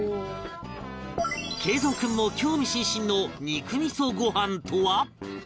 敬蔵君も興味津々の肉味ご飯とは？